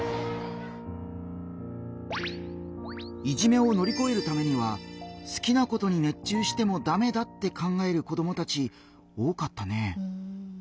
いじめを乗り越えるためには好きなことに熱中してもダメだって考える子どもたち多かったね。